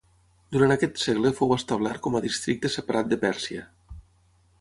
Durant aquest segle fou establert com a districte separat de Pèrsia.